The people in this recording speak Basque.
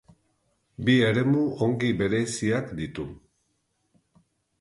Bi eremu ongi bereiziak ditu.